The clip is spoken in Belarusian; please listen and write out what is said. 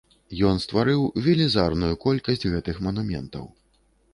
Ён стварыў велізарную колькасць гэтых манументаў.